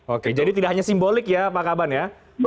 oke jadi tidak hanya simbolik ya pak kaban ya